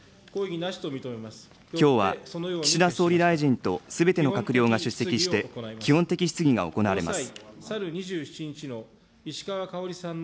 きょうは岸田総理大臣とすべての閣僚が出席して基本的質疑が行われます。